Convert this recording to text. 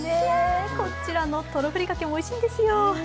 こちらのトロふりかけもおいしいんですよ。